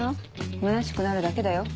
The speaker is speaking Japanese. むなしくなるだけだよ。